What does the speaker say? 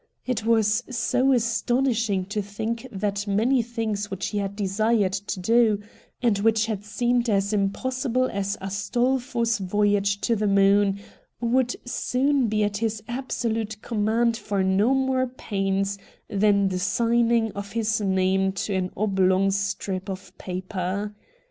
It was so astonishing to think that many things which he had desired to do, and which had seemed as impossible as Astolfo's voyage to the moon, would soon be at his absolute command for no more pains than the signing of his name to an oblong strip of paper.